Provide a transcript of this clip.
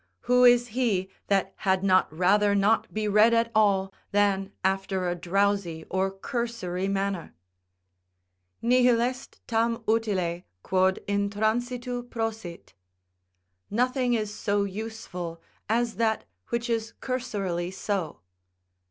Who is he that had not rather not be read at all than after a drowsy or cursory manner? "Nihil est tam utile, quod intransitu prosit." ["Nothing is so useful as that which is cursorily so."